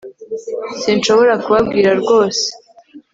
Sinshobora kubabwira rwose